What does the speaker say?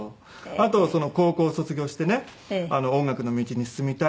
あと高校卒業してね「音楽の道に進みたい」